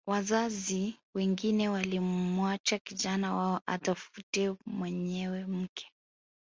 Wazazi wengine walimwacha kijana wao atafute mwenyewe mke